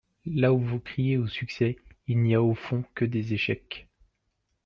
Là où vous criez au succès il n’y a au fond que des échecs.